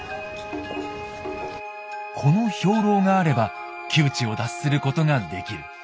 この兵糧があれば窮地を脱することができる。